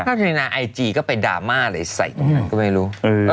ท่านชัยนาไอจีก็ไปดาร์มาอะไรใส่ก็ไม่รู้